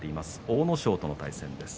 阿武咲との対戦です。